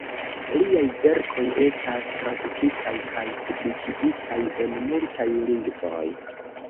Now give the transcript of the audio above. Liaj verkoj estas tradukitaj kaj publikigitaj en multaj lingvoj.